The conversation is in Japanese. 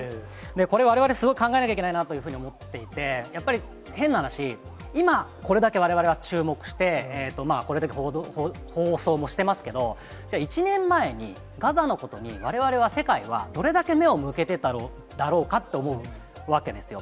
これ、われわれすごく考えなきゃいけないなと思っていて、やっぱり変な話、今、これだけわれわれは注目して、これだけ放送もしてますけど、じゃあ、１年前にガザのことに、われわれは、世界は、どれだけ目を向けてただろうかと思うわけですよ。